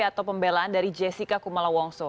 atau pembelaan dari jessica kumala wongso